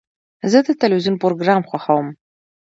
زه د تلویزیون پروګرام خوښوم.